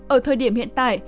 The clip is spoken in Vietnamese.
ở thời điểm hiện tại